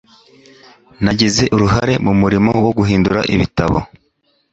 nagize uruhare mu murimo wo guhindura ibitabo